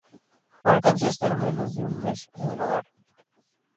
Alcanzó a estar menos de un mes en el hogar.